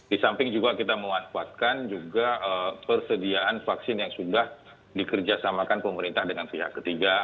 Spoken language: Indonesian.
di samping juga kita memanfaatkan juga persediaan vaksin yang sudah dikerjasamakan pemerintah dengan pihak ketiga